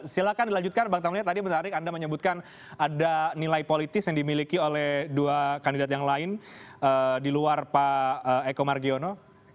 silahkan dilanjutkan bang tamlia tadi menarik anda menyebutkan ada nilai politis yang dimiliki oleh dua kandidat yang lain di luar pak eko margiono